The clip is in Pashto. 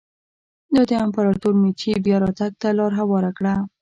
دا د امپراتور مېجي بیا راتګ ته لار هواره کړه.